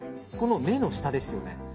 目の下ですよね。